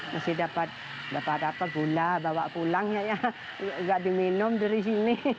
masih dapat gula bawa pulangnya gak diminum dari sini